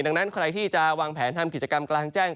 ดังนั้นใครที่จะวางแผนทำกิจกรรมกลางแจ้ง